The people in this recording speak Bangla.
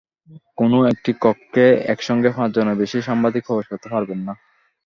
কোনো একটি কক্ষে একসঙ্গে পাঁচজনের বেশি সাংবাদিক প্রবেশ করতে পারবেন না।